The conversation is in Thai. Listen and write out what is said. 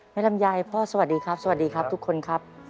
ลำไยพ่อสวัสดีครับสวัสดีครับทุกคนครับ